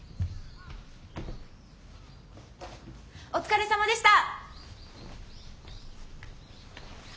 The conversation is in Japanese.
お疲れさまでした！